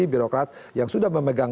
birokrat yang sudah memegang